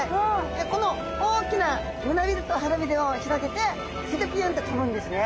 この大きな胸鰭と腹鰭を広げてそれでピュンと飛ぶんですね。